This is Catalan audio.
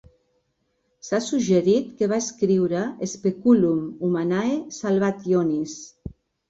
S'ha suggerit que va escriure "Speculum Humanae Salvationis".